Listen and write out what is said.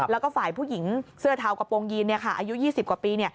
แล้วก็ฝ่ายผู้หญิงเสื้อเทากระโปรงยีนอายุ๒๐กว่าปี